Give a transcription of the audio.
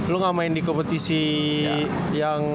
lo gak main di kompetisi yang